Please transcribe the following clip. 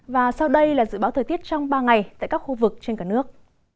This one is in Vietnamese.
và sau đây là dự báo thời tiết trong ba ngày tại các khu vực trên cả nước